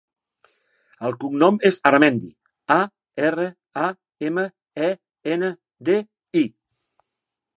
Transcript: El cognom és Aramendi: a, erra, a, ema, e, ena, de, i.